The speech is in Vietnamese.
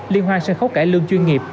liên hoan sân khấu cải lương chuyên nghiệp